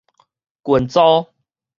群組